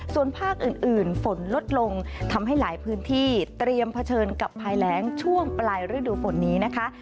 ส่วนภาคอื่นฝนลดลงทำให้หลายพื้นที่เตรียมเผชิญกับภายแรงช่วงปลายฤดูฝนนี้นะคะ